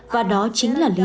và đó chính là lý do